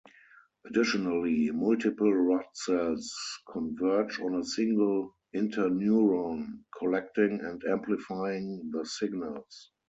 Additionally, multiple rod cells converge on a single interneuron, collecting and amplifying the signals.